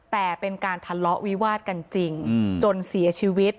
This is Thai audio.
แต่เป็นการทะเลาะวิวาดกันจริงจนเสียชีวิต